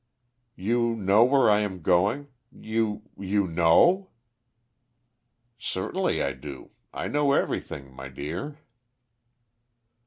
"You know where I am going. You you know!" "Certainly I do. I know everything, my dear."